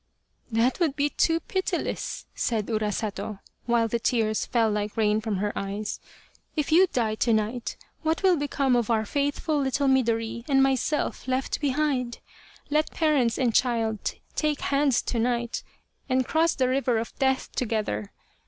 " That would be too pitiless," said Urasato, while the tears fell like rain from her eyes, " if you die to night what will become of our faithful little Midori and myself left behind ? Let parents and child take hands to night and cross the river of death together.